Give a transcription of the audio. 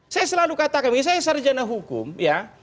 saya selalu katakan saya sarjana hukum ya